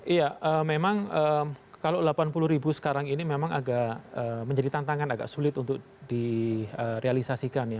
iya memang kalau delapan puluh ribu sekarang ini memang agak menjadi tantangan agak sulit untuk direalisasikan ya